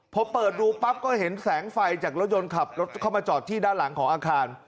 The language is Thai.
พอเปิดดูปั๊บก็เห็นแสงไฟจากรถยนต์ขับรถเข้ามาจอดที่ด้านหลังของอาคาร